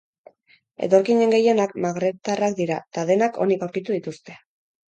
Etorkinen gehienak magrebtarrak dira eta denak onik aurkitu dituzte.